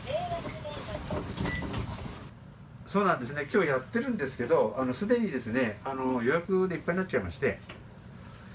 そうなんですね、きょうやってるんですけど、すでにですね、予約でいっぱいになっちゃいまして。